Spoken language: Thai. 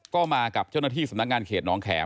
ก็มากับเจ้าหน้าที่สำนักงานเขตน้องแขม